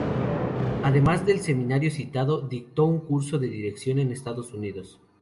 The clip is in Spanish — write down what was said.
Además del seminario citado, dictó un curso de dirección en Estados Unidos.